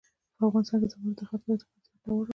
په افغانستان کې زمرد د خلکو د اعتقاداتو سره تړاو لري.